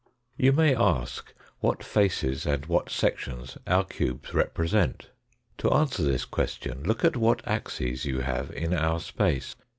You may ask what faces and what sections our cubes represent. To answer this question look at what axes you have in our space.